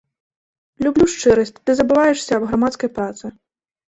Люблю шчырасць, ты забываешся аб грамадскай працы.